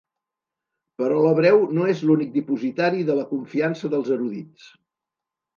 Però l'hebreu no és l'únic dipositari de la confiança dels erudits.